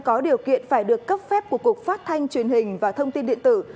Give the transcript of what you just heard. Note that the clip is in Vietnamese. có điều kiện phải được cấp phép của cục phát thanh truyền hình và thông tin điện tử